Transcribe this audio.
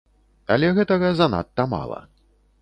Але гэтага занадта мала.